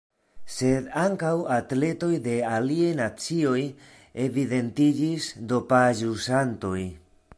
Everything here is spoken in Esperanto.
Sed ankaŭ atletoj de aliaj nacioj evidentiĝis dopaĵ-uzantoj.